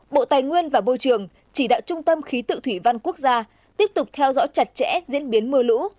sáu bộ tài nguyên và bôi trường chỉ đạo trung tâm khí tự thủy văn quốc gia tiếp tục theo dõi chặt chẽ diễn biến mưa lũ